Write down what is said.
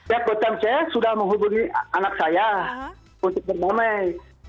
gatom cez sudah menghubungi anak saya untuk bernomei